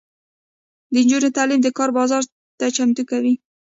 د نجونو تعلیم د کار بازار ته چمتو کوي.